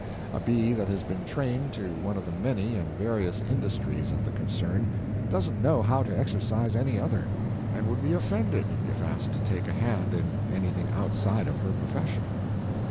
A bee that has been trained to one of the many and various industries of the concern doesn't know how to exercise any other, and would be offended if asked to take a hand in anything outside of her profession.